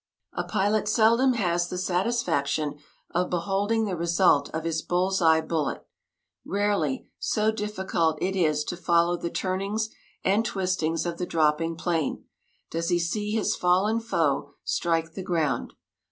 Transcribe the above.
] A pilot seldom has the satisfaction of beholding the result of his bull's eye bullet. Rarely so difficult it is to follow the turnings and twistings of the dropping plane does he see his fallen foe strike the ground.